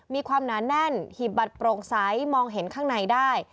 มีความหนาแน่นหีบบัตรโปร่งใสมองเห็นข้างในได้